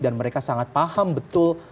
dan mereka sangat paham betul